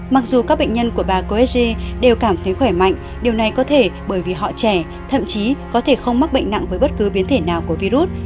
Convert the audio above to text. mặc dù các bệnh nhân của bà coesg đều cảm thấy khỏe mạnh điều này có thể bởi vì họ trẻ thậm chí có thể không mắc bệnh nặng với bất cứ biến thể nào của virus